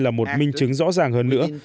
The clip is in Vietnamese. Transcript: là một minh chứng rõ ràng hơn nữa